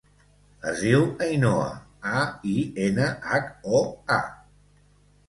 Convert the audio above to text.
Es diu Ainhoa: a, i, ena, hac, o, a.